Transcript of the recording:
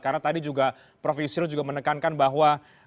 karena tadi juga prof yusril menekankan bahwa